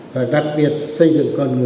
phải đặc biệt xây dựng con người